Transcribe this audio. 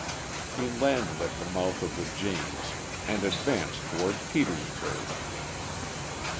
He landed at the mouth of the James, and advanced toward Petersburg.